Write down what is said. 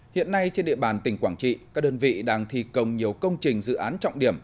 hiện nay trên địa bàn tỉnh quảng trị các đơn vị đang thi công nhiều công trình dự án trọng điểm